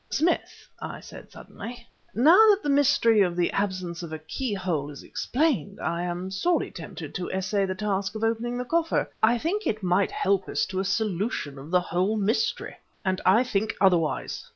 "Smith," I said suddenly, "now that the mystery of the absence of a key hole is explained, I am sorely tempted to essay the task of opening the coffer. I think it might help us to a solution of the whole mystery." "And I think otherwise!"